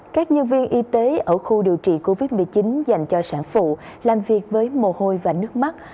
các nhân viên y tế ở khu điều trị covid một mươi chín dành cho sản phụ làm việc với mồ hôi và nước mắt